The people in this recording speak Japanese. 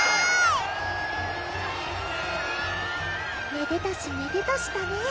めでたしめでたしだね！